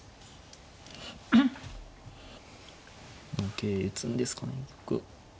桂打つんですかね。